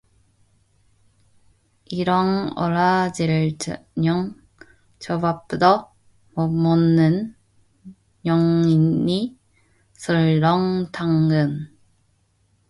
이런 오라질 년! 조밥도 못 먹는 년이 설렁탕은.